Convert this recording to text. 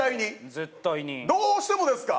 絶対にどうしてもですか？